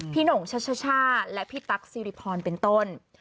หน่งชัชช่าและพี่ตั๊กซิริพรเป็นต้น